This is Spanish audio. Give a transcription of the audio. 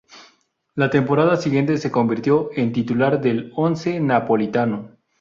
La temporada siguiente se convirtió en titular del once napolitano.